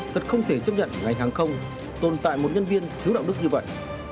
thật không thể chấp nhận ngành hàng không tồn tại một nhân viên thiếu đạo đức như vậy